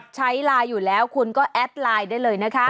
ใช้ไลน์อยู่แล้วคุณก็แอดไลน์ได้เลยนะคะ